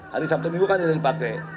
hari sabtu dan minggu kan tidak dipakai